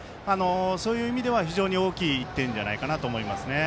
そういう意味では、非常に大きい１点じゃないかなと思います。